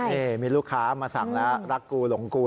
นี่มีลูกค้ามาสั่งแล้วรักกูหลงกู